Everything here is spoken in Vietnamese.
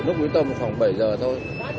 lúc ý tầm khoảng bảy h thôi